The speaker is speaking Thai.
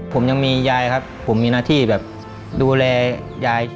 ผมยังมียายครับผมมีหน้าที่แบบดูแลยาย